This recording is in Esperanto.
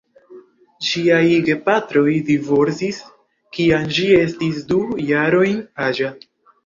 Ŝiaj gepatroj divorcis, kiam ŝi estis du jarojn aĝa.